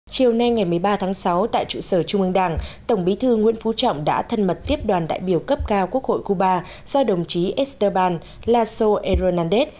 chiều nay ngày một mươi ba tháng sáu tại trụ sở trung ương đảng tổng bí thư nguyễn phú trọng đã thân mật tiếp đoàn đại biểu cấp cao quốc hội cuba do đồng chí estaban laso eroandez